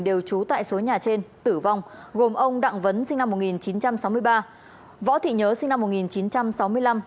đều trú tại số nhà trên tử vong gồm ông đặng vấn sinh năm một nghìn chín trăm sáu mươi ba võ thị nhớ sinh năm một nghìn chín trăm sáu mươi năm